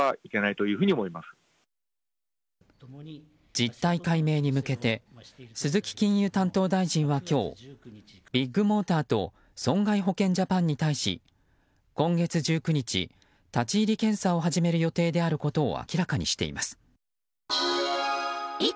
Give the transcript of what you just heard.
実態解明に向けて鈴木金融担当大臣は今日ビッグモーターと損害保険ジャパンに対し今月１９日、立ち入り検査を始める予定であることを明らかにしています。